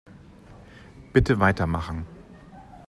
Bitte weitermachen.